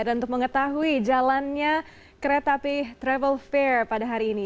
untuk mengetahui jalannya kereta api travel fair pada hari ini